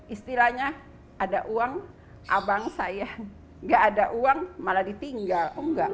istilahnya ada uang abang saya nggak ada uang malah ditinggal enggak